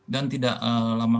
dan tidak lama